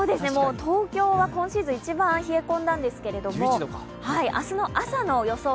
東京は今シーズン一番冷え込んだんですけれども、明日の朝の予想